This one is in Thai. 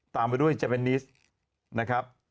ตามไปด้วยเจเบนนิสนะครับ